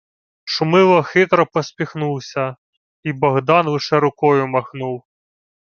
Шумило хитро посміхнувся, й Богдан лише рукою махнув.